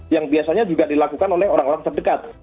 yang biasanya juga dilakukan oleh orang orang terdekat